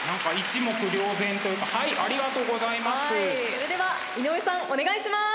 それでは井上さんお願いします。